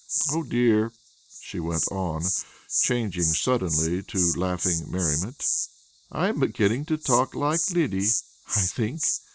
Oh, dear!" she went on, changing suddenly to laughing merriment, "I am beginning to talk like Lyddy, I think."